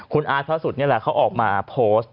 คุณอาร์ตพระสุดนี่แหละเขาออกมาโพสต์